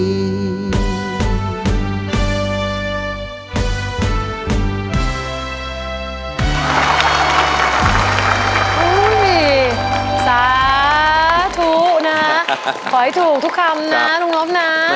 สิบนิ้วผนมและโกมลงคราบ